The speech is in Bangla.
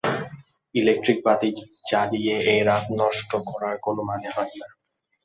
ইলেকট্রিক বাতি জ্বালিয়ে এ-রাত নষ্ট করার কোনো মানে হয় না।